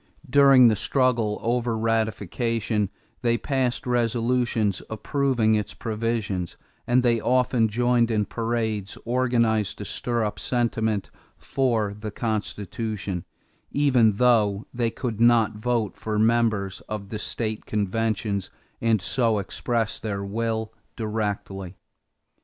During the struggle over ratification, they passed resolutions approving its provisions and they often joined in parades organized to stir up sentiment for the Constitution, even though they could not vote for members of the state conventions and so express their will directly.